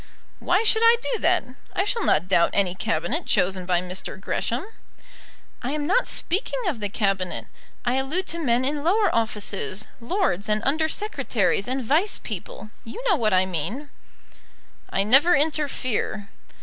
"Why should I do that? I shall not doubt any Cabinet chosen by Mr. Gresham." "I'm not speaking of the Cabinet; I allude to men in lower offices, lords, and Under Secretaries, and Vice people. You know what I mean." "I never interfere."